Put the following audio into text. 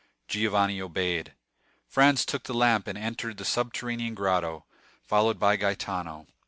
Giovanni obeyed. Franz took the lamp, and entered the subterranean grotto, followed by Gaetano.